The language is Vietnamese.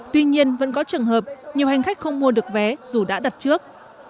tuy nhiên vẫn có trường hợp nhiều hành khách không mua được vé dù đã đặt trước